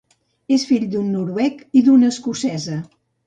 És fill d'un noruec i d'una escocesa.